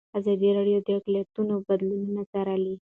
ازادي راډیو د اقلیتونه بدلونونه څارلي.